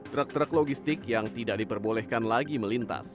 truk truk logistik yang tidak diperbolehkan lagi melintas